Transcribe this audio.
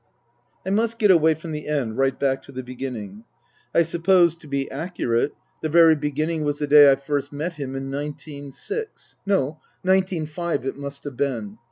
I must get away from the end, right back to the beginning. I suppose, to be accurate, the very beginning was the Book I : My Book day I first met him in nineteen six no, nineteen five it must have been.